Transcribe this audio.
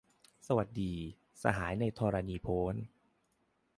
สวัสดีสหายในธรณีโพ้น